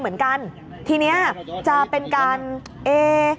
ก็ไม่มีอำนาจ